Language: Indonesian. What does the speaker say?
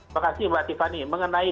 makasih mbak tiffany mengenai